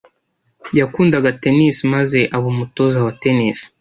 Yakundaga tennis maze aba umutoza wa tennis.